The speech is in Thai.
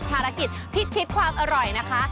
พิชิตความอร่อยนะคะ